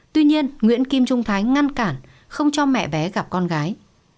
tuy nhiên nguyễn kim trung thái ngăn cản không cho mẹ bé gặp con gái